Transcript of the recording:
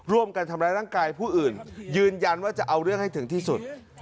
ร่วมกันทำร้ายร่างกายผู้อื่นยืนยันว่าจะเอาเรื่องให้ถึงที่สุด